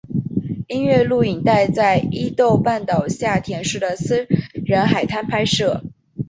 音乐录影带在伊豆半岛下田市的私人海滩拍摄。